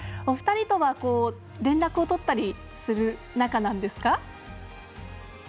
お二人とは連絡を取ったりする仲なんですか？